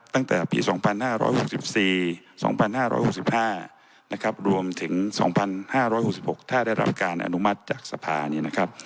ตั้งแต่ปี๒๕๖๔๒๕๖๕รวมถึง๒๕๖๖ถ้าได้รับการอนุมัติจากสภานี้